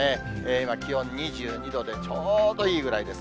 今、気温２２度で、ちょうどいいぐらいです。